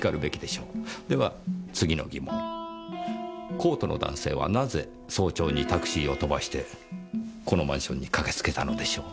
コートの男性はなぜ早朝にタクシーを飛ばしてこのマンションに駆けつけたのでしょう？